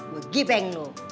gue gipeng lu